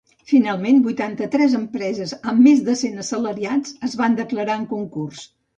Finalment, vuitanta-tres empreses amb més de cent assalariats es van declarar en concurs.